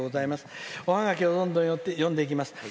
おハガキをどんどん読んでいきます。